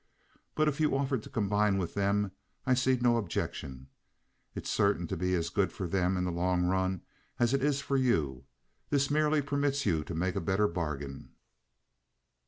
But if you offered to combine with them I see no objection. It's certain to be as good for them in the long run as it is for you. This merely permits you to make a better bargain."